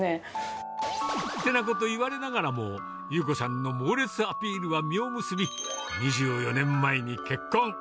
てなこと言われながらも、優子さんの猛烈アピールは実を結び、２４年前に結婚。